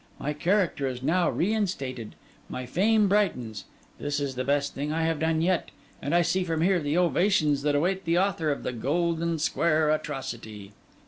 My character is now reinstated; my fame brightens; this is the best thing I have done yet; and I see from here the ovations that await the author of the Golden Square Atrocity.